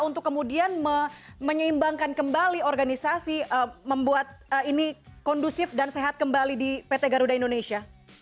untuk kemudian menyeimbangkan kembali organisasi membuat ini kondusif dan sehat kembali di pt garuda indonesia